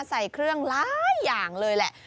ใส่เครื่องหลายอย่างเลยแหละ